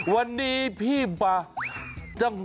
วันนี้พี่มา